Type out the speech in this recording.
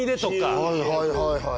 はいはいはいはい。